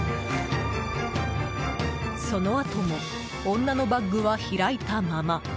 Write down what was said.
そのあとも女のバッグは開いたまま。